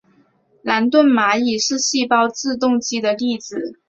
兰顿蚂蚁是细胞自动机的例子。